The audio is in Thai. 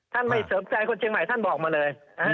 ไม่เสริมใจคนเชียงใหม่ท่านบอกมาเลย